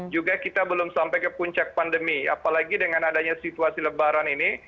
juga kita belum sampai ke puncak pandemi apalagi dengan adanya situasi lebaran ini